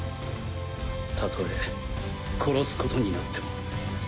たとえ殺すことになっても。